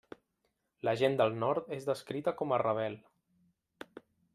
La gent del nord és descrita com a rebel.